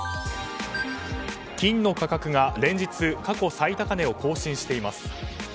金の価格が連日過去最高値を更新しています。